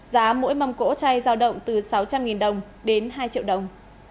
giá mỗi mâm cỗ chay giao động từ sáu trăm linh đồng đến hai triệu đồng